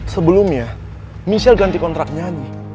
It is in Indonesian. sebelumnya michelle ganti kontrak nyanyi